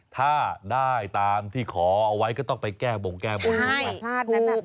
ถ้าได้ตามที่ขอเอาไว้ก็ต้องไปแก้บงแก้บนด้วย